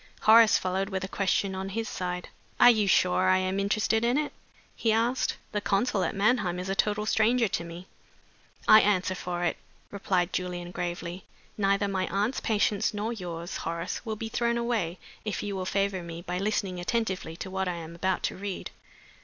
Horace followed with a question on his side. "You are sure I am interested in it?" he asked. "The consul at Mannheim is a total stranger to me." "I answer for it," replied Julian, gravely, "neither my aunt's patience nor yours, Horace, will be thrown away if you will favor me by listening attentively to what I am about to read."